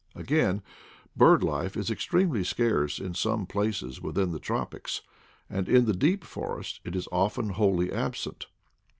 Again, bird life is extremely scarce in some places within the tropics, and in the deep forest it is often wholly absent.